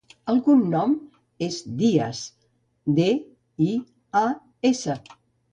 El cognom és Dias: de, i, a, essa.